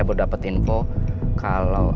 berdapat info kalau